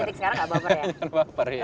jangan baper iya